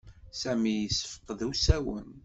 Sami yessefqed usawen.